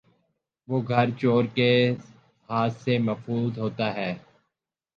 وہ گھر چورکے ہاتھ سے ممحفوظ ہوتا ہے